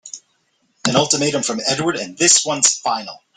An ultimatum from Edward and this one's final!